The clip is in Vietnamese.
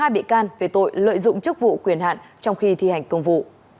hai bị can về tội lợi dụng chức vụ quyền hạn trong khi thi hành công vụ